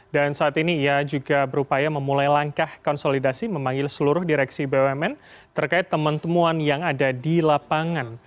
dan saat ini ia juga berupaya memulai langkah konsolidasi memanggil seluruh direksi bumn terkait teman temuan yang ada di lapangan